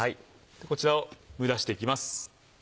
こちらを蒸らしていきます。